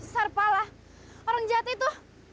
sarpala orang jahat itu